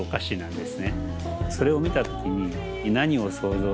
それを見た時に。